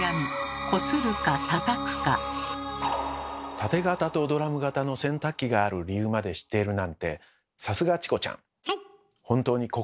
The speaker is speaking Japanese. タテ型とドラム型の洗濯機がある理由まで知っているなんてさすがチコちゃん。